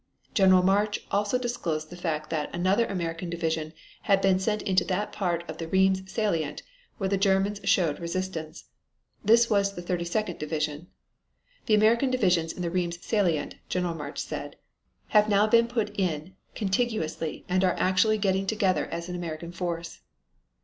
General March also disclosed the fact that another American division had been sent into that part of the Rheims salient where the Germans showed resistance. This was the 32d Division. "The American divisions in the Rheims salient," General March said, "have now been put in contiguously and are actually getting together as an American force.